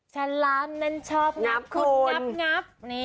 ฉลามนั้นชอบงับคุณงับ